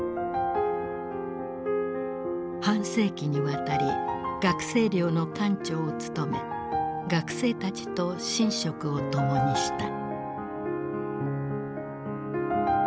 半世紀にわたり学生寮の館長を務め学生たちと寝食を共にした。